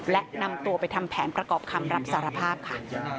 และนำตัวไปทำแผนประกอบคำรับสารภาพค่ะ